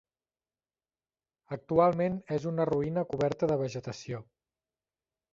Actualment és una ruïna coberta de vegetació.